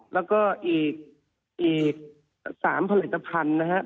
แล้วก็อีก๓ผลิตภัณฑ์นะครับ